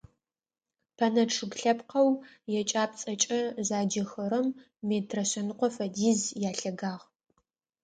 Пэнэ чъыг лъэпкъэу екӏапӏцӏэкӏэ заджэхэрэм метрэ шъэныкъо фэдиз ялъэгагъ.